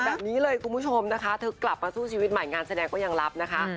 แบบนี้เลยคุณผู้ชมนะคะเธอกลับมาสู้ชีวิตใหม่งานแสดงก็ยังรับนะคะ